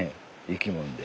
生き物で。